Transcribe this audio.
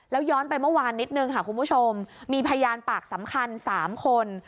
แล้วย้อนไปเมื่อวานนิดนึงค่ะคุณผู้ชมมีพยานปากสำคัญ๓คน